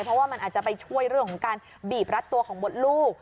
เพราะว่ามันอาจจะไปช่วยเรื่องของการบีบรัดตัวของบทลูก